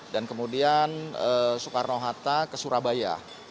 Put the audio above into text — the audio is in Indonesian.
dan kemudian soekarno hatta ke surabaya